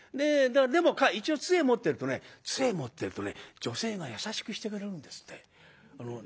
でも一応杖持ってるとね杖持ってるとね女性が優しくしてくれるんですって。